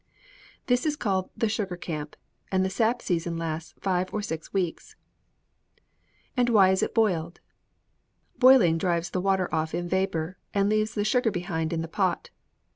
This is called 'the sugar camp,' and the sap season lasts five or six weeks." "And why is it boiled?" "Boiling drives the water off in vapor, and leaves the sugar behind in the pot."